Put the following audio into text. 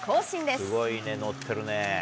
すごいね、乗ってるね。